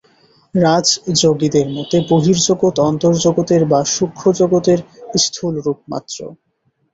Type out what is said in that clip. রাজযোগীদের মতে বহির্জগৎ অন্তর্জগতের বা সূক্ষ্মজগতের স্থূল রূপ মাত্র।